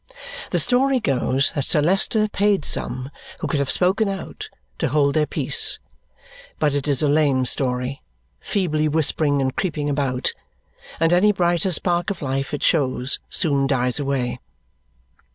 The story goes that Sir Leicester paid some who could have spoken out to hold their peace; but it is a lame story, feebly whispering and creeping about, and any brighter spark of life it shows soon dies away.